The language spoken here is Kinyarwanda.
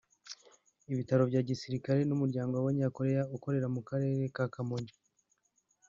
Ibitaro bya Gisirikare n’Umuryango w’Abanyakoreya ukorera mu Karere ka Kamonyi